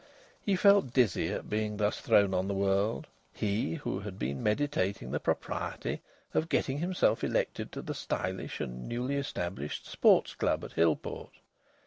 He felt dizzy at being thus thrown upon the world he who had been meditating the propriety of getting himself elected to the stylish and newly established Sports Club at Hillport!